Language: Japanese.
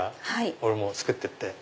俺も作ってって。